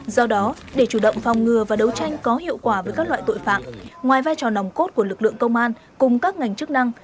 do đó để chủ động phòng ngừa và đấu tranh có hiệu quả với các loại tội phạm ngoài vai trò nòng cốt của lực lượng công an cùng các ngành chức năng